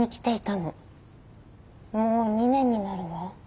もう２年になるわ。